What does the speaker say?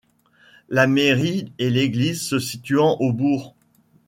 La mairie et l’église se situant au Bourg.